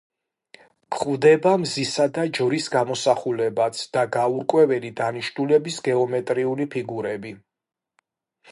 გვხვდება მზისა და ჯვრის გამოსახულებაც და გაურკვეველი დანიშნულების გეომეტრიული ფიგურები.